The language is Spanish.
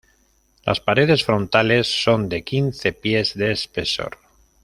Las paredes frontales son de quince pies de espesor.